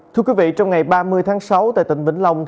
thưa quý vị trong ngày ba mươi tháng sáu tại tỉnh vĩnh long